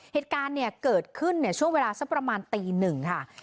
เหตุการณ์เนี่ยเกิดขึ้นช่วงเวลาสักประมาณตีหนึ่งค่ะ